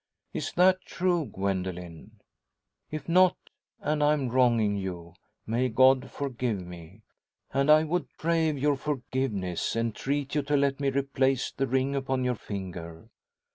Is that true, Gwendoline? If not, and I am wronging you, may God forgive me. And I would crave your forgiveness; entreat you to let me replace the ring upon your finger.